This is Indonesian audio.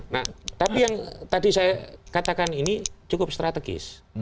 nah tapi yang tadi saya katakan ini cukup strategis